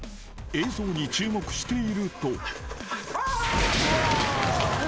［映像に注目していると］